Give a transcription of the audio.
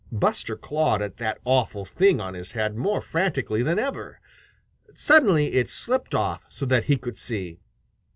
Buster clawed at that awful thing on his head more frantically than ever. Suddenly it slipped off, so that he could see.